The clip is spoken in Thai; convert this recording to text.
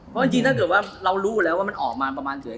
เพราะจริงถ้าเกิดว่าเรารู้อยู่แล้วว่ามันออกมาประมาณเฉย